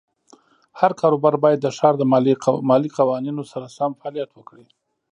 هر کاروبار باید د ښار د مالیې قوانینو سره سم فعالیت وکړي.